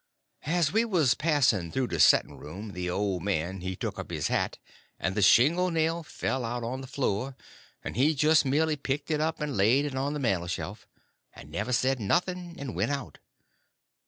As we was passing through the setting room the old man he took up his hat, and the shingle nail fell out on the floor, and he just merely picked it up and laid it on the mantel shelf, and never said nothing, and went out.